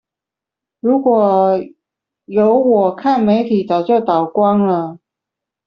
如果有我看媒體早就倒光了！